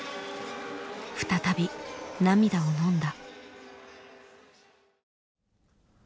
再び涙をのんだ。